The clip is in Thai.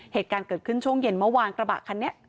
เหตุการณ์เกิดขึ้นช่วงเย็นเมื่อวานกระบะคันนี้